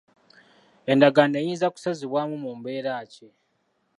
Endagaano eyinza kusazibwamu mu mbeera ki?